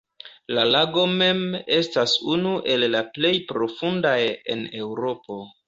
La lago mem, estas unu el la plej profundaj en Eŭropo.